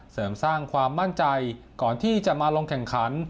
เสริมสร้างความมั่นใจก่อนที่จะมาลงแข่งขัน